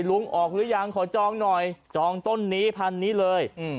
ออกหรือยังขอจองหน่อยจองต้นนี้พันนี้เลย